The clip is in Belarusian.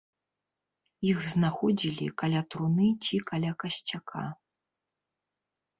Іх знаходзілі каля труны ці каля касцяка.